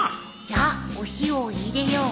じゃあお塩を入れよう。